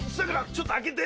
ちょっと開けて。